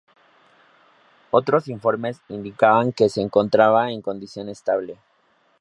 Otros informes indicaban que se encontraba en condición estable.